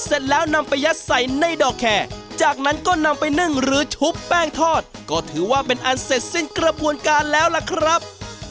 เอาอย่างนี้ดีกว่านะครับ